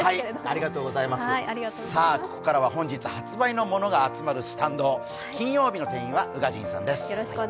さぁ、ここからは本日発売のものが集まるスタンド、金曜日の店員は宇賀神さんです。